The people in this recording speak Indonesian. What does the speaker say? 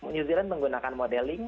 new zealand menggunakan modeling